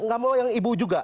gak mau yang ibu juga